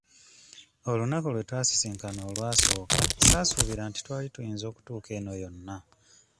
Olunaku lwe twasisinkana olwasooka saasuubira nti twali tuyinza okutuuka eno yonna.